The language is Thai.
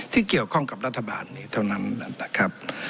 ที่เกี่ยวข้องกับรัฐบาลนี้เท่านั้นนะครับ